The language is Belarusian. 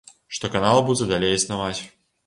Што канал будзе далей існаваць.